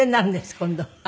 今度。